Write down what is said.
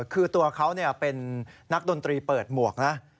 คือตัวเขาเป็นนักดนตรีเปิดหมวกนะ